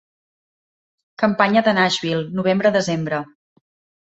Campanya de Nashville, novembre-desembre.